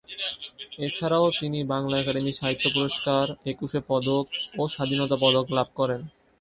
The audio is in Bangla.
এছাড়াও তিনি বাংলা একাডেমি সাহিত্য পুরস্কার, একুশে পদক ও স্বাধীনতা পদক লাভ করেন।